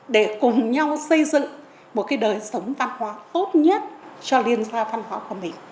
để cùng nhau xây dựng một cái đời sống văn hóa tốt nhất cho liên gia văn hóa của mình